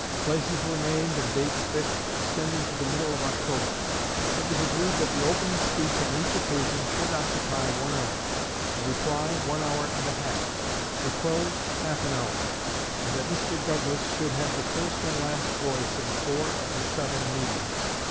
Places were named and dates fixed extending to the middle of October. It was agreed that the opening speech on each occasion should occupy one hour; the reply, one hour and a half; the close, half an hour; and that Mr. Douglas should have the first and last voice in four of the seven meetings.